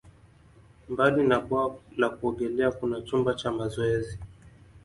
Mbali na bwawa la kuogelea, kuna chumba cha mazoezi.